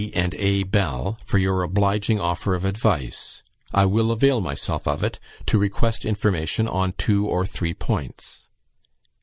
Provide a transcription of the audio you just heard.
and A. Bell, for your obliging offer of advice. I will avail myself of it, to request information on two or three points.